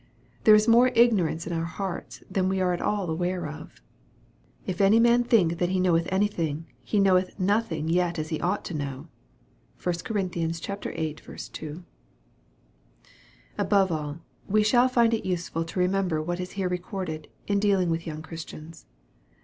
There is more ignorance in our hearts than we are at all aware of " If any man think that he knoweth anything, he know eth nothing yet as he ought to know." (1 Cor. viii. 2.) Above all, we shall find it useful to remember what is here recorded, in dealing with young Christians.